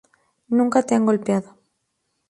Nunca te han golpeado.